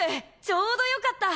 ちょうどよかった